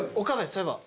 そういえば。